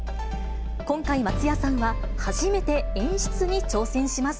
今回、松也さんは、初めて演出に挑戦します。